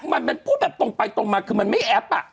มันพูดแบบตรงไปตรงมาคือมันไม่แอป